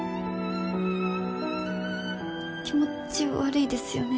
気持ち悪いですよね。